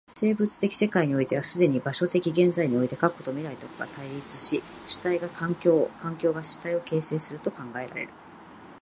生物的世界においては既に場所的現在において過去と未来とが対立し、主体が環境を、環境が主体を形成すると考えられる。